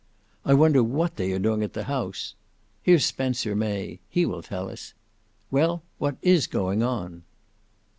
I wonder what they are doing at the House! Here's Spencer May, he will tell us. Well, what is going on?"